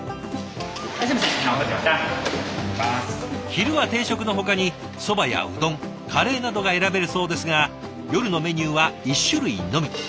昼は定食のほかにそばやうどんカレーなどが選べるそうですが夜のメニューは１種類のみ。